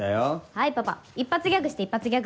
はいパパ一発ギャグして一発ギャグ。